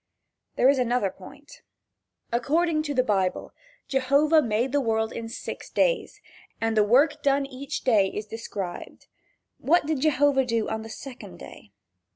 There is another point: According to the Bible, Jehovah made the world in six days, and the work done each day is described. What did Jehovah do on the second day?